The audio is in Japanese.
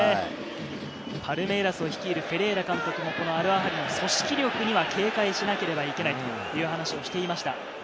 パルメイラスを率いるフェレイラ監督もアルアハリの組織力には警戒しなければいけないという話をしていました。